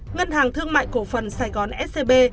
ngân hàng thương mại cổ phần sài gòn scb